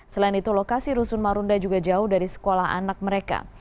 selain itu lokasi rusun marunda juga jauh dari sekolah anak mereka